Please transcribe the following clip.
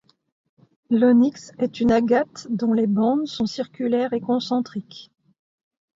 L’onyx est une agate dont les bandes sont circulaires et concentriques.